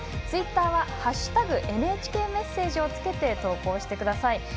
ツイッターは「＃ＮＨＫメッセージ」をつけて投稿してください。